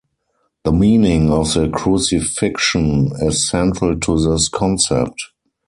The meaning of the crucifixion is central to this concept.